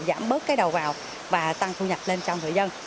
giảm bớt cái đầu vào và tăng thu nhập lên cho người dân